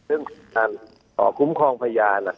เรื่องของท่านอ๋อคุ้มครองพญาน